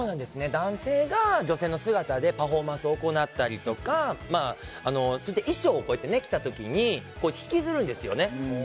男性が女性の姿でパフォーマンスを行ったりとか衣装を着た時に引きずるんですよね。